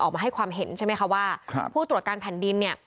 ออกมาให้ความเห็นใช่ไหมคะว่าผู้ตรวจการแผ่นดินเนี่ย